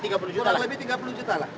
kurang lebih tiga puluh juta lah